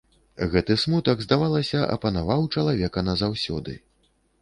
Гэты смутак, здавалася, апанаваў чалавека назаўсёды.